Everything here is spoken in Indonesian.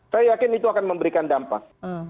saya yakin itu akan memberikan dampak